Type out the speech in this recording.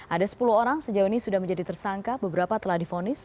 ada sepuluh orang sejauh ini sudah menjadi tersangka beberapa telah difonis